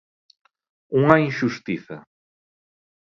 Unha inxustiza.